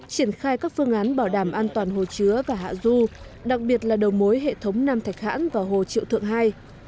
triển khai các phương án bảo đảm an toàn hồ chứa và hạ du đặc biệt là đầu mối hệ thống nam thạch hãn và hồ triệu thượng hai